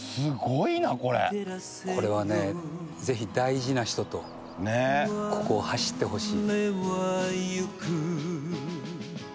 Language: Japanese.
これはね、ぜひ大事な人と、ここを走ってほしい。